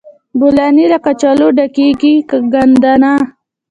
بولاني له کچالو ډکیږي که ګندنه؟